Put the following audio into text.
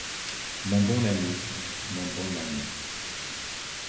Mon bon ami, mon bon ami.